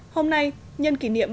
hôm nay nhân kỷ niệm ba